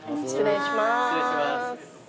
失礼します。